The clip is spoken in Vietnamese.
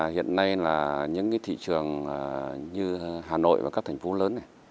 hiện nay là những thị trường như hà nội và các thành phố lớn này